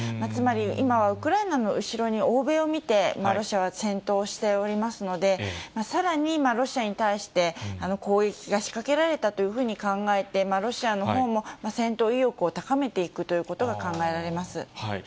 つまり、今はウクライナの後ろに欧米を見て、ロシアは戦闘しておりますので、さらにロシアに対して攻撃が仕掛けられたというふうに考えて、ロシアのほうも戦闘意欲を高めていくということが考えられます。